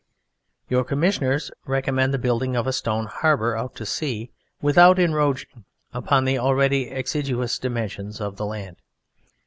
Your Commissioners recommend the building of a stone harbour out to sea without encroaching on the already exiguous dimensions of the land.